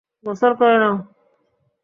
গোসল করে নাও।